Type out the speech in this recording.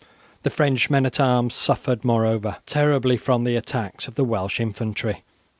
The French men at arms suffered, moreover, terribly from the attacks of the Welsh infantry.